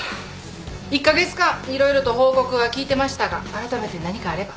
１カ月間色々と報告は聞いてましたがあらためて何かあれば。